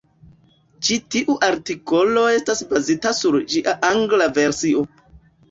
Ĉi tiu artikolo estas bazita sur ĝia angla versio.